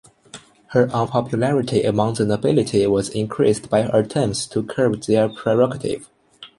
Her unpopularity among the nobility was increased by her attempts to curb their prerogative.